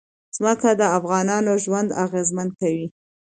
ځمکه د افغانانو ژوند اغېزمن کوي.